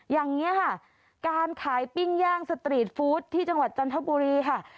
อย่างนี้ค่ะการขายปิ้งย่างสตรีทฟู้ดที่จังหวัดจันทบุรีค่ะ